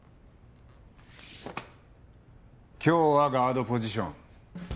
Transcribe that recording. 今日はガードポジション。